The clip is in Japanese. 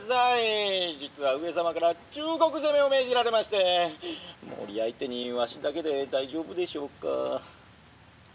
実は上様から中国攻めを命じられまして毛利相手にわしだけで大丈夫でしょうか」。